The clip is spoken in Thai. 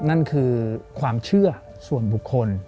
นั่นคือความเชื่อส่วนบุคคล